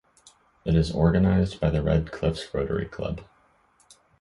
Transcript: It is organised by the Red Cliffs Rotary Club.